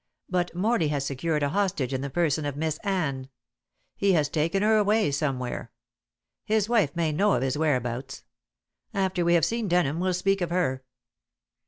But Morley has secured a hostage in the person of Miss Anne. He has taken her away somewhere. His wife may know of his whereabouts. After we have seen Denham we'll speak of her."